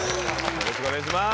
よろしくお願いします。